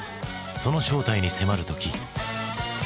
その正体に迫る時。